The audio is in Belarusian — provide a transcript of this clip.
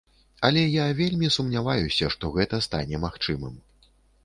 Але я вельмі сумняваюся, што гэта стане магчымым.